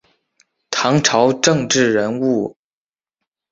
唐朝政治人物。